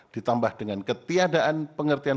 ditambah dengan ketiadaan pengertian